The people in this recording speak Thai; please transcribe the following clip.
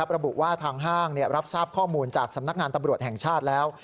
ระบุว่าทางห้างรับทราบข้อมูลจากสำนักงานตำรวจแห่งชาติแล้ว